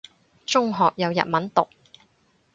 中學有日文讀